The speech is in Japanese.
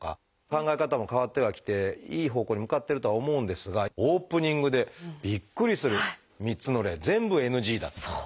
考え方も変わってはきていい方向に向かってるとは思うんですがオープニングでびっくりする３つの例全部ＮＧだっていう。